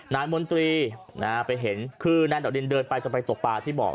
นายมนตรีไปเห็นคือนายดอกดินเดินไปจะไปตกปลาที่บอก